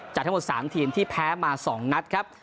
จากทั้งหมด๓ทีมที่แพ้มา๒นัดครับ